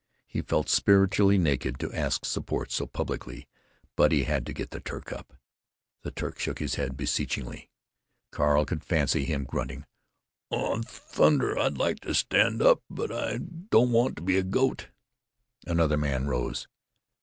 He felt spiritually naked to ask support so publicly, but he had to get the Turk up. The Turk shook his head beseechingly. Carl could fancy him grunting, "Aw, thunder! I'd like to stand up, but I don't want to be a goat." Another man rose.